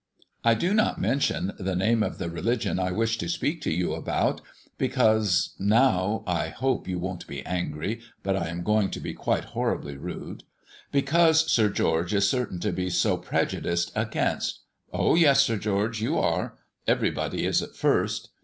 "I do not mention the name of the religion I wish to speak to you about, because now I hope you won't be angry, but I am going to be quite horribly rude because Sir George is certain to be so prejudiced against oh yes, Sir George, you are; everybody is at first.